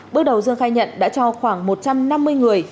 bước đầu dương khai nhận đã cho khoảng một trăm năm mươi người